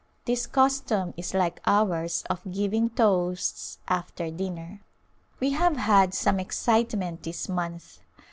This custom is like ours of giving toasts after dinner. We have had some excitement this month.